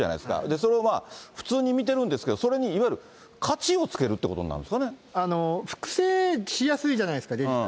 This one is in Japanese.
それを普通に見てるんですけど、それにいわゆる、価値をつけると複製しやすいじゃないですか、デジタル。